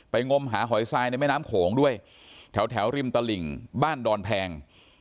งมหาหอยทรายในแม่น้ำโขงด้วยแถวริมตลิ่งบ้านดอนแพง